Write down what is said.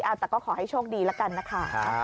เอาแต่ก็ขอให้โชคดีแล้วกันนะคะ